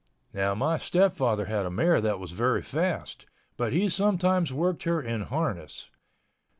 Now my stepfather had a mare that was very fast, but he sometimes worked her in harness.